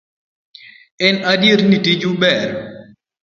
En adier ni tiju ber.